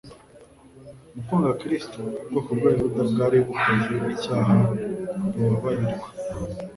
Mu kwanga Kristo, ubwoko bw'abayuda bwari bukoze icyaha bubabarirwa;